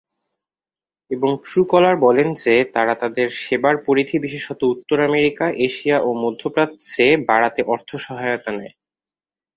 এবং Truecaller বলেন যে, তারা তাদের সেবার পরিধি বিশেষত উত্তর আমেরিকা, এশিয়া ও মধ্যপ্রাচ্যে বাড়াতে অর্থ সহায়তা নেয়।